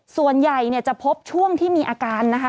ส่วนใหญ่เนี่ยจะพบช่วงที่มีอาการนะคะ